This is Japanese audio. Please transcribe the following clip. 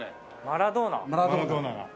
マラドーナが。